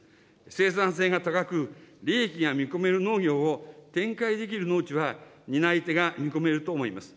生産性が高く、利益が見込める農業を展開できる農地は、担い手が見込めると思います。